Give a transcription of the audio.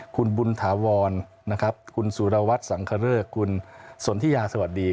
คุณบุญถาวรคุณสุรวัตรสังเครอร์คุณสวนทิยาสวัสดี